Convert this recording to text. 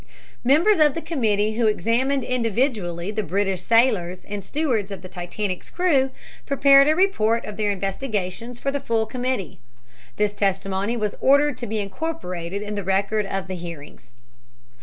Members of the committee who examined individually the British sailors and stewards of the Titanic's crew prepared a report of their investigations for the full committee. This testimony was ordered to be incorporated in the record of the hearings.